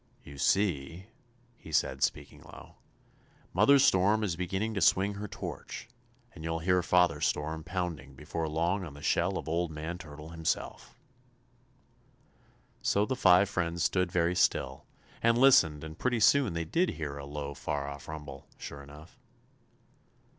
"You see," he said, speaking low, "Mother Storm is beginning to swing her torch, and you'll hear Father Storm pounding before long on the shell of Old Man Turtle Himself." So the five friends stood very still and listened and pretty soon they did hear a low far off rumble, sure enough.